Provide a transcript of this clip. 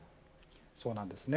そうなんですね。